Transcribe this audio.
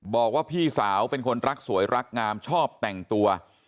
บอกว่าพี่สาวเป็นคนรักสวยรักงามชอบแต่งตัว